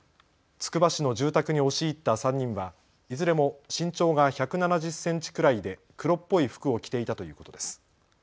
つくば市の住宅に押し入った３人はいずれも身長が１７０センチくらいで黒っぽい服を着ていたということです。